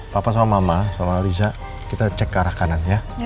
papa sama mama sama riza kita cek ke arah kanan ya